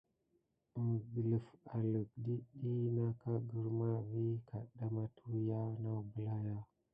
Məs dələf alək dit ɗiy na aka grum vi kaɗɗa matuhya nawbel haya.